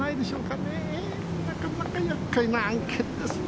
なかなかやっかいな案件ですな。